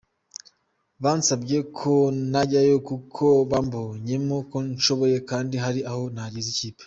Bansabye ko najyayo kuko bambonyemo ko nshoboye kandi hari aho nageza ikipe.